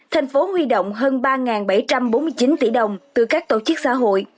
thành phố huy động hơn ba bảy trăm bốn mươi chín tỷ đồng từ các tổ chức xã hội